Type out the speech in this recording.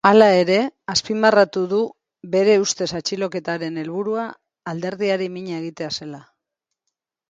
Hala ere, azpimarratu du bere ustez atxiloketaren helburua alderdiari mina egitea zela.